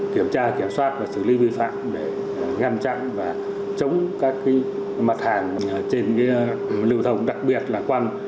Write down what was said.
kiểm tra kiểm soát và xử lý vi phạm để ngăn chặn và chống các mặt hàng trên lưu thông đặc biệt là quăng